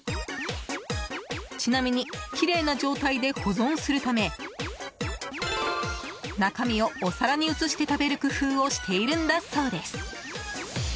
ちなみに、きれいな状態で保存するため中身をお皿に移して食べる工夫をしているそうです。